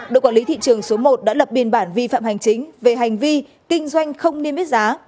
đội quản lý thị trường số một đã lập biên bản vi phạm hành chính về hành vi kinh doanh không niêm yết giá